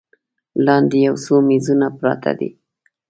لاندې یو څو میزونه پراته دي.